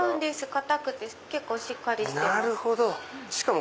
硬くて結構しっかりしてます。